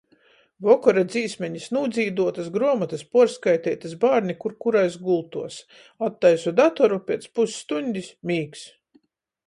Vokora dzīsmenis nūdzīduotys, gruomotys puorskaiteitys, bārni kur kurais gultuos. Attaisu datoru, piec pusstuņdis mīgs.